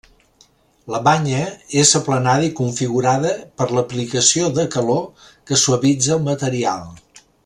La banya és aplanada i configurada per l'aplicació de calor, que suavitza el material.